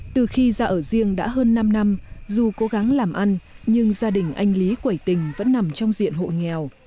từ khi ra ở riêng đã hơn năm năm dù cố gắng làm ăn nhưng gia đình anh lý quẩy tình vẫn nằm trong diện hộ nghèo